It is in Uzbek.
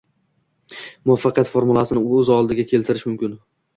muvaffaqiyat formulasini ko‘z oldiga keltirish mumkin.